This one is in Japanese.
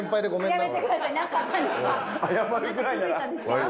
謝るぐらいなら。